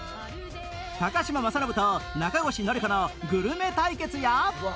嶋政伸と中越典子のグルメ対決や